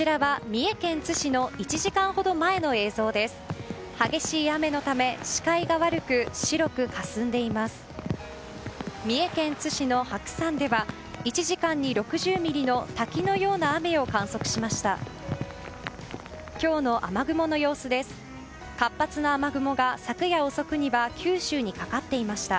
三重県津市の白山では１時間に６０ミリの滝のような雨を観測しました。